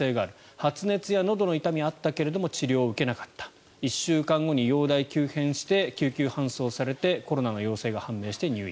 発熱やのどの痛みがあったけれども治療は受けなかった１週間後に容体急変して救急搬送されてコロナの陽性が判明して入院。